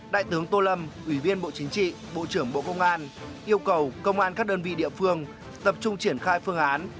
đại tướng tô lâm ủy viên bộ chính trị bộ trưởng bộ công an yêu cầu công an các đơn vị địa phương tập trung triển khai phương án